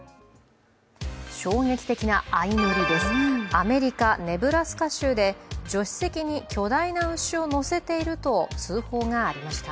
アメリカ・ネブラスカ州で助手席に巨大な牛を乗せていると通報がありました。